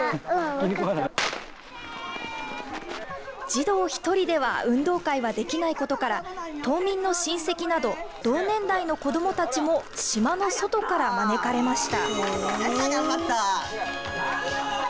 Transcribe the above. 児童１人では運動会はできないことから島民の親戚など同年代の子どもたちも島の外から招かれました。